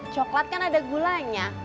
coklat kan ada gulanya